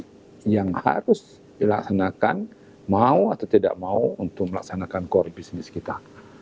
ini yang harus dilaksanakan mau atau tidak mau untuk melaksanakan core business kita